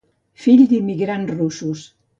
Fill d'immigrants russos.